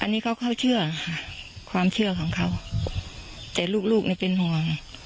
อันนี้เขาเข้าเชื่อค่ะความเชื่อของเขาแต่ลูกลูกนี่เป็นห่วง